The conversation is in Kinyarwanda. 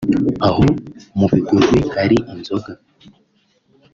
Aho mu Bigogwe hari inzoga